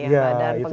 ya itu itu